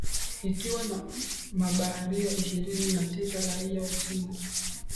ikiwa na mabaharia ishirini na tisa raia wa china